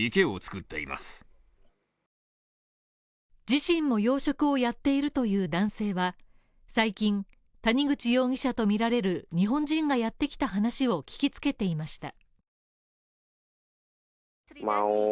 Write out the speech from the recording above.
自身も養殖をやっているという男性は最近、谷口容疑者とみられる日本人がやってきた話を聞きつけていました。